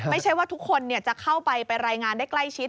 ไม่ใช่ว่าทุกคนจะเข้าไปรายงานได้ใกล้ชิด